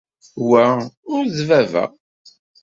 Wa ur d baba.